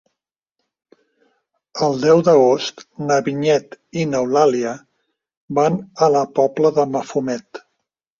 El deu d'agost na Vinyet i n'Eulàlia van a la Pobla de Mafumet.